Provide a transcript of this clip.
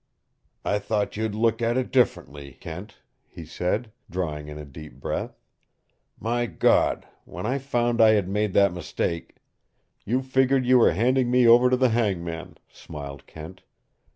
"I thought you'd look at it differently, Kent," he said, drawing in a deep breath. "My God, when I found I had made that mistake " "You figured you were handing me over to the hangman," smiled Kent.